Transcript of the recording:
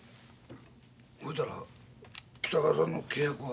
ほいたら北川さんの契約は。